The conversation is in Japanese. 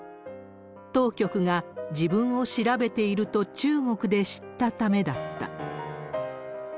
当局が自分を調べていると中国で知ったためだった。